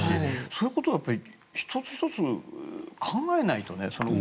そういうことを１つ１つ考えないとね。